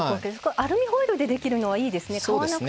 アルミホイルでできるのはいいですね。